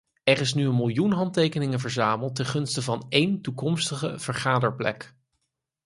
Er is nu een miljoen handtekeningen verzameld ten gunste van één toekomstige vergaderplek.